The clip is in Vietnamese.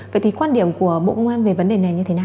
vậy thì quan điểm của bộ công an về vấn đề này như thế nào